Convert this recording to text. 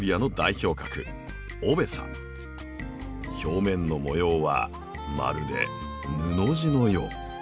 表面の模様はまるで布地のよう。